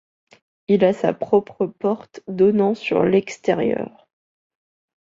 Il a sa propre porte donnant sur l’extérieur.